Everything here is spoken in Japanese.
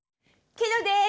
ケロです！